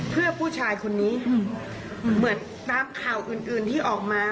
เพื่อผู้ชายคนนี้เหมือนตามข่าวอื่นอื่นที่ออกมา